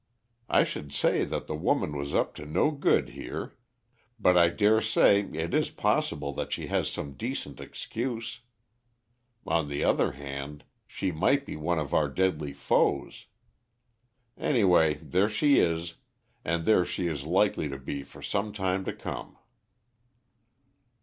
I should say that the woman was up to no good here; but I dare say it is possible that she has some decent excuse. On the other hand, she might be one of our deadly foes. Anyway, there she is, and there she is likely to be for some time to come."